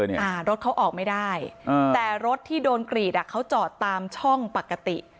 อ่ารถเขาออกไม่ได้แต่รถที่โดนกรีดอ่ะเขาจอดตามช่องปกติ